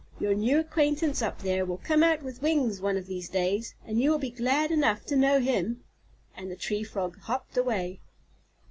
Your new acquaintance up there will come out with wings one of these days, and you will be glad enough to know him." And the Tree Frog hopped away.